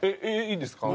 いいんですか？